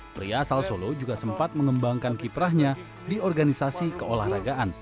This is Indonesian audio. pria asal solo juga sempat mengembangkan kiprahnya di organisasi keolahragaan